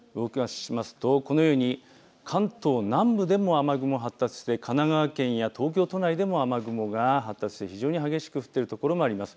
このように関東南部でも雨雲、発達して神奈川県や東京都内でも雨雲が発達して非常に激しく降っているところもあります。